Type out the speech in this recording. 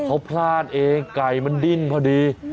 เขาพลาดเองไก่มันดิ้นพอดี